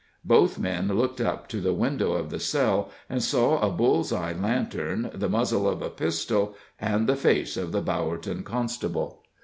Both men looked up to the window of the cell, and saw a bull's eye lantern, the muzzle of a pistol, and the face of the Bowerton constable.